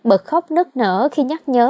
bật khóc nứt nở khi nhắc nhớ